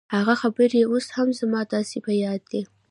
هغه خبرې اوس هم زما داسې په ياد دي.